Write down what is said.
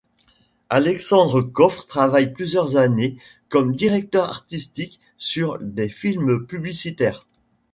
Alexandre Coffre travaille plusieurs années comme directeur artistique sur des films publicitaires.